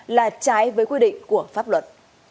là trái với quy định của pháp luật